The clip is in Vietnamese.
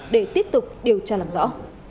để tiếp tục điều tra làm rõ